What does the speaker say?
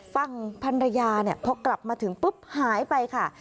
ฟังภรรยาพอกลับมาถึงปุ๊บหายไปค่ะ